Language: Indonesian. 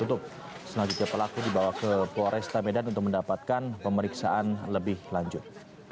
untuk selanjutnya pelaku dibawa ke polresta medan untuk mendapatkan pemeriksaan lebih lanjut